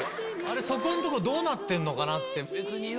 そこんとこどうなってんのかなって。